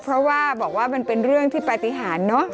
เพราะว่าบอกว่ามันเป็นเรื่องที่ปฏิหารเนอะ